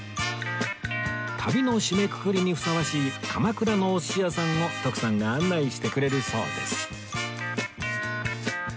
旅の締めくくりにふさわしい鎌倉のお寿司屋さんを徳さんが案内してくれるそうです